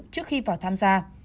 trước khi vào tham gia